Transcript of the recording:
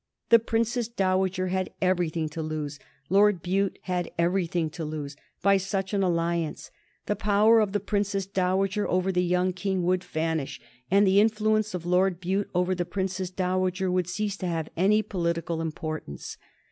The Princess Dowager had everything to lose, Lord Bute had everything to lose, by such an alliance. The power of the Princess Dowager over the young King would vanish, and the influence of Lord Bute over the Princess Dowager would cease to have any political importance.